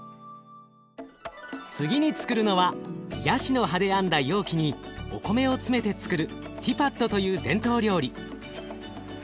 次につくるのはヤシの葉で編んだ容器にお米を詰めてつくるティパットという伝統料理。